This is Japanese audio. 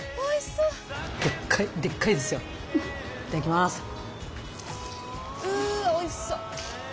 ううおいしそう。